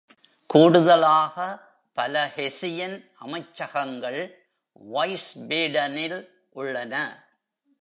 கூடுதலாக, பல ஹெஸியன் அமைச்சகங்கள் வைஸ்பேடனில் உள்ளன.